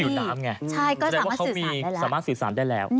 ใช่ก็สามารถสื่อสารได้แล้วนะครับจะได้ว่าเขามีสามารถสื่อสารได้แล้ว